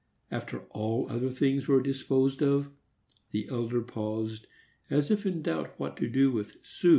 After all other things were disposed of, the elder paused, as if in doubt what to do with "Su."